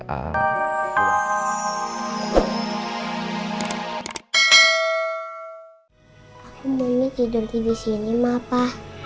aku mau tidur tidur di sini ma pa